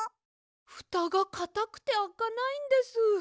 ふたがかたくてあかないんです。